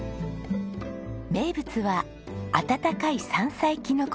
名物は温かい山菜きのこそばです。